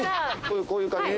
こういう感じ？